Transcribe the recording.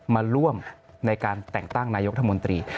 มาร่วมในการแต่งตั้งนายกรัฐมนตรี